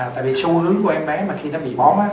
tại vì xu hướng của em bé mà khi nó bị bón á